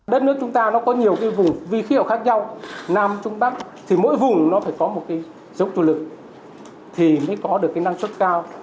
đất nước chúng ta có nhiều vùng vi khí ở khác nhau nam trung bắc thì mỗi vùng nó phải có một dốc chủ lực thì mới có được năng suất cao